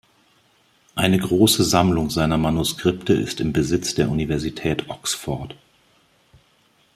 Eine große Sammlung seiner Manuskripte ist im Besitz der Universität Oxford.